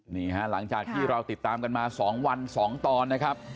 นี้ฮะหลังจากที่เราติดตามกันมาสองวันสองตอนนะครับ